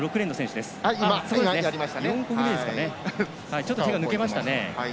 ちょっと手が抜けましたね。